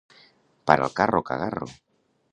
Para el carro, cagarro!